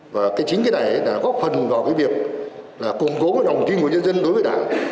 và chính cái này là góp phần vào việc củng cố đồng kinh của dân dân đối với đảng